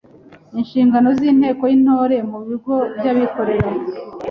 Inshingano z’inteko y’Intore mu bigo by’abikorera